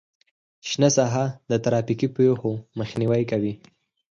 شنه ساحه د ترافیکي پیښو مخنیوی کوي